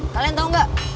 kalian tau gak